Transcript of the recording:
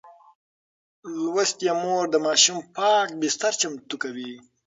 لوستې مور د ماشوم پاک بستر چمتو کوي.